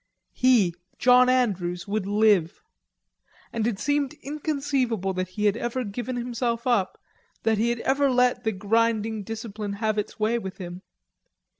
He, John Andrews, would live. And it seemed inconceivable that he had ever given himself up, that he had ever let the grinding discipline have its way with him.